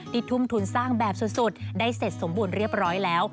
ทุ่มทุนสร้างแบบสุดได้เสร็จสมบูรณ์เรียบร้อยแล้ว